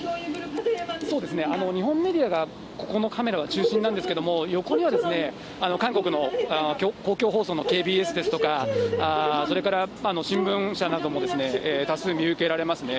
そうですね、日本メディアがここのカメラは中心なんですけれども、横にはですね、韓国の公共放送のＫＢＳですとか、それから新聞社なども多数見受けられますね。